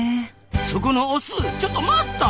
そこのオスちょっと待った！